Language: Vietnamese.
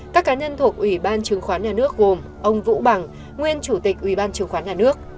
các cá nhân thuộc ủy ban chứng khoán nhà nước gồm ông vũ bằng nguyên chủ tịch ủy ban chứng khoán nhà nước